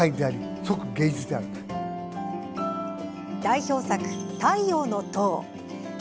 代表作、「太陽の塔」。